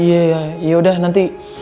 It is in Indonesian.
iyaiya yaudah nanti